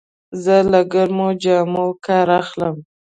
زه له ګرمو جامو کار اخلم.